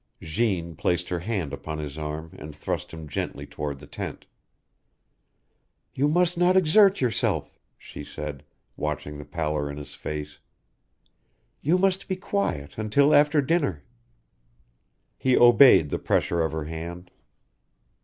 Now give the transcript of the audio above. Jeanne placed her hand upon his arm and thrust him gently toward the tent. "You must not exert yourself," she said, watching the pallor in his face. "You must be quiet, until after dinner." He obeyed the pressure of her hand.